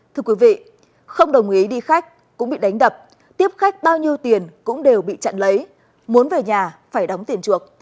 thưa quý vị không đồng ý đi khách cũng bị đánh đập tiếp khách bao nhiêu tiền cũng đều bị chặn lấy muốn về nhà phải đóng tiền chuộc